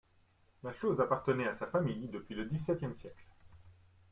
La chose appartenait à sa famille depuis le dix-septième siècle.